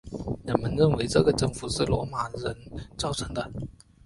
人们认为这个增幅是罗马人造成的。